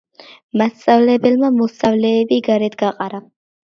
მასწავლებელმა მოსწავლეები გარეთ გაყარა.